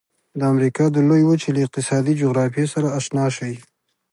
د امریکا د لویې وچې له اقتصادي جغرافیې سره آشنا شئ.